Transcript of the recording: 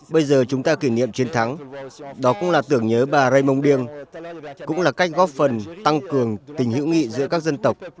bây giờ chúng ta kỷ niệm chiến thắng đó cũng là tưởng nhớ bà raymond dieng cũng là cách góp phần tăng cường tình hữu nghị giữa các dân tộc